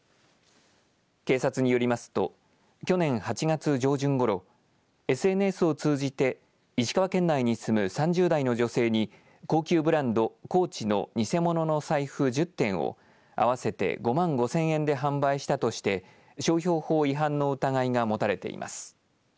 警察によりますと去年８月上旬ごろＳＮＳを通じて石川県内に住む３０代の女性に高級ブランドＣＯＡＣＨの偽物の財布１０点を合わせて５万５０００円で販売したとして商標法違反の疑いが持たれています。